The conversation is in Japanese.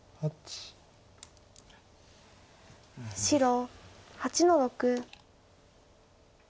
白８の六。